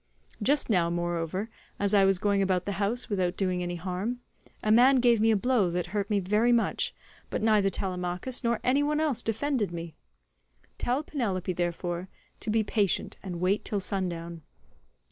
Just now, moreover, as I was going about the house without doing any harm, a man gave me a blow that hurt me very much, but neither Telemachus nor any one else defended me. Tell Penelope, therefore, to be patient and wait till sundown.